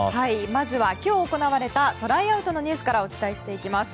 まずは今日行われたトライアウトのニュースからお伝えしていきます。